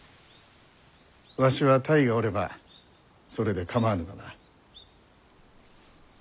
わしは泰がおればそれで構わぬがな。